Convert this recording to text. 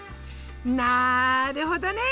なるほどね。